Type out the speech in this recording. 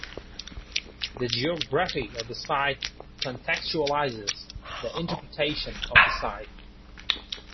The geography of the site contextualizes the interpretation of the site.